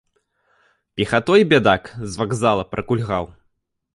Пехатой, бядак, з вакзала пракульгаў?